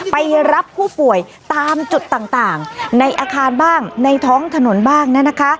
ไปรับผู้ป่วยตามจุดต่างในอาคารบ้างในท้องถนนบ้างนะคะ